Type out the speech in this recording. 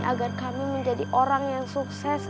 agar kami menjadi orang yang sukses